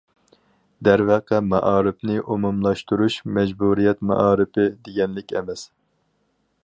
دەرۋەقە مائارىپنى ئومۇملاشتۇرۇش‹‹ مەجبۇرىيەت مائارىپى›› دېگەنلىك ئەمەس.